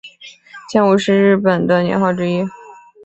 建武是日本的年号之一。